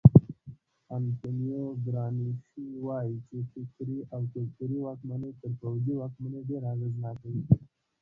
انتونیو ګرامشي وایي چې فکري او کلتوري واکمني تر پوځي واکمنۍ ډېره اغېزناکه وي.